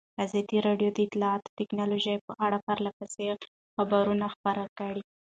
ازادي راډیو د اطلاعاتی تکنالوژي په اړه پرله پسې خبرونه خپاره کړي.